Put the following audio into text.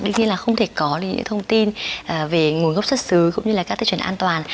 đương nhiên là không thể có những thông tin về nguồn gốc xuất xứ cũng như là các tiêu chuẩn an toàn